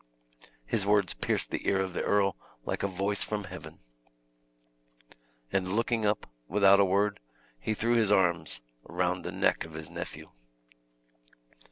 His words pierced the ear of the earl like a voice from heaven, and looking up, without a word, he threw his arms round the neck of his nephew.